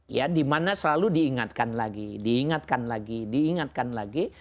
ya dimana selalu diingatkan lagi diingatkan lagi diingatkan lagi